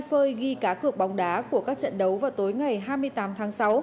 phơi ghi cá cược bóng đá của các trận đấu vào tối ngày hai mươi tám tháng sáu